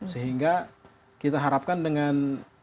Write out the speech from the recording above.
sehingga kita harapkan dengan